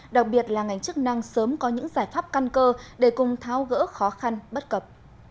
đặc biệt là ngành chức năng sớm có những giải pháp căn cơ để cùng tháo gỡ khó khăn bất cập